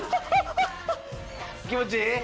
気持ちいい？